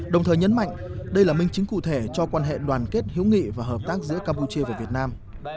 đồng thời nhấn mạnh đây là minh chứng cụ thể cho quan hệ đoàn kết hiếu nghị và hợp tác giữa campuchia và việt nam